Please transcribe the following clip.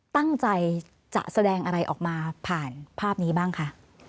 ตั้งใจจะแสดงอะไรออกมาผ่านภาพนี้บ้างคะ